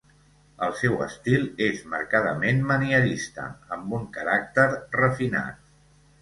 El seu estil és marcadament manierista amb un caràcter refinat.